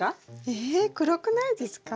え黒くないですか？